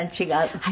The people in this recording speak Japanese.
はい。